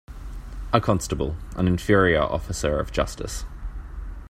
A constable an inferior officer of justice.